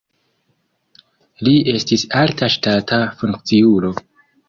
Li estis alta ŝtata funkciulo.